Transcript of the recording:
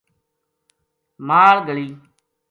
مال گلی